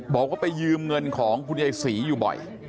บอกว่าไปยืมเงินของคุณยายศรีอยู่บ่อย